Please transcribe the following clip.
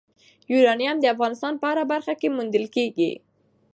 یورانیم د افغانستان په هره برخه کې موندل کېږي.